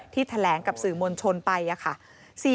ที่แถลงกับสื่อมวลชนไป